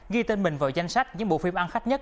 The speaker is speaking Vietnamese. ghi tên mình vào danh sách những bộ phim ăn khách nhất